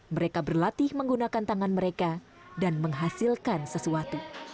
mereka berlatih menggunakan tangan mereka dan menghasilkan sesuatu